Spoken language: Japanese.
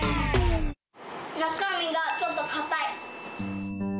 中身がちょっと硬い。